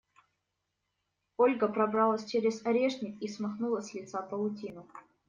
Ольга пробралась через орешник и смахнула с лица паутину.